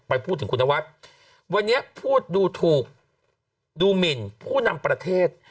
ไปพูดถึงคุณนวัฒน์วันนี้พูดดูถูกดูหมินผู้นำประเทศ